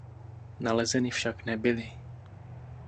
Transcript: Nalezeny však nebyly.